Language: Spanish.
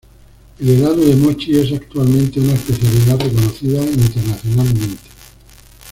El helado de "mochi" es actualmente una especialidad reconocida internacionalmente.